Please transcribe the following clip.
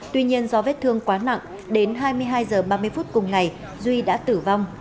tuy nhiên do vết thương quá nặng đến hai mươi hai h ba mươi phút cùng ngày duy đã tử vong